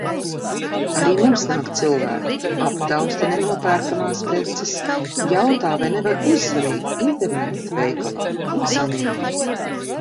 Arī mums nāk cilvēki, aptausta "nenopērkamās" preces, jautā, vai nevar uzzvanīt internetveikalam un saņemt.